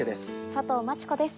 佐藤真知子です。